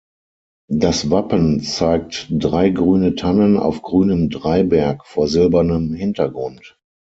Das Wappen zeigt drei grüne Tannen auf grünem Dreiberg vor silbernem Hintergrund.